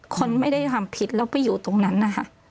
คนไม่ได้ทำผิดแล้วไปอยู่ตรงนั้นนะคะ